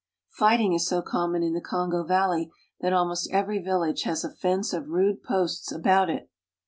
Fighting is so common in the Kongo valley that almost every village has a fence of rude posts about it.